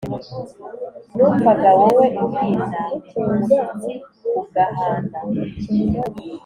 numvaga wowe, uhinda umushyitsi, ugahana